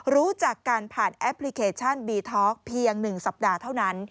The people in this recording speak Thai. รู้จักกันผ่านแอปพลิเคชันบีท็อกเพียง๑สัปดาห์เท่านั้น